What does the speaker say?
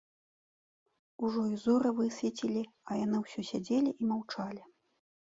Ужо і зоры высвецілі, а яны ўсё сядзелі і маўчалі.